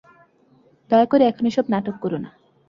দয়া করে এখন এসব নাটক করো না।